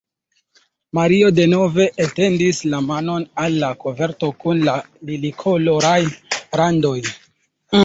Mario denove etendis la manon al la koverto kun la lilikoloraj randoj.